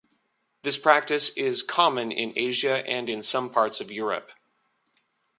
This practice is common in Asia and in some parts of Europe.